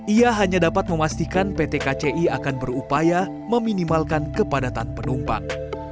ia hanya dapat memastikan pt kci akan berupaya meminimalkan kepadatan penumpang